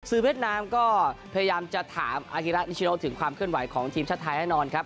เวียดนามก็พยายามจะถามอาฮิระนิชโนถึงความเคลื่อนไหวของทีมชาติไทยแน่นอนครับ